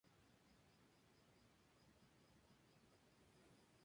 Su canción ""I Know What Boys Like"", fue utilizada para el juego.